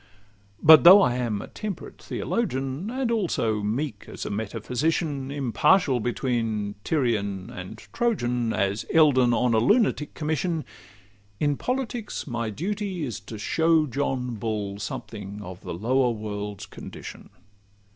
But though I am a temperate theologian, And also meek as a metaphysician, Impartial between Tyrian and Trojan, As Eldon on a lunatic commission— In politics my duty is to show John Bull something of the lower world's condition.